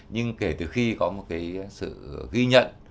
nhưng kể từ khi có một sự ghi nhận